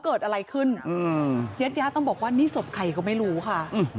เกิดอะไรขึ้นญาติญาติต้องบอกว่านี่ศพใครก็ไม่รู้ค่ะ